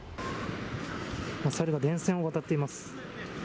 猿が電線を渡っています。